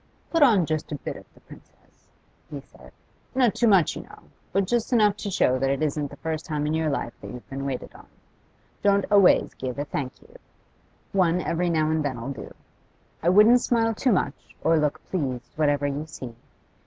'Put on just a bit of the princess,' he said. 'Not too much, you know, but just enough to show that it isn't the first time in your life that you've been waited on. Don't always give a 'thank you;' one every now and then'll do. I wouldn't smile too much or look pleased, whatever you see.